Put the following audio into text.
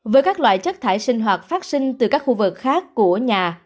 với các loại chất thải sinh hoạt phát sinh từ các khu vực khác của nhà